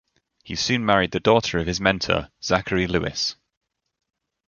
He soon married the daughter of his mentor, Zachary Lewis.